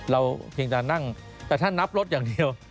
เพียงแต่นั่งแต่ถ้านับรถอย่างเดียว